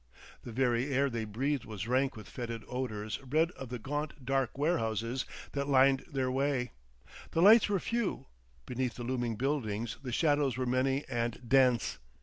The very air they breathed was rank with fetid odors bred of the gaunt dark warehouses that lined their way; the lights were few; beneath the looming buildings the shadows were many and dense.